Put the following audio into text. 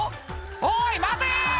「おい待て！」